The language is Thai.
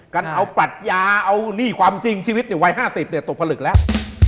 กันเอาปรัชญาเอาหนี้ความจริงชีวิตในวัย๕๐ตกผลึกแล้ว